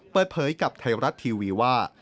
เปิดเผยกับไทยรัฐทีวีว่า